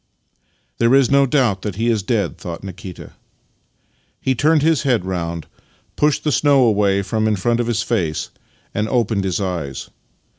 " There is no doubt that he is dead," thought Nikita. He turned his head round, pushed the snow away from in front of his face, and opened his eyes.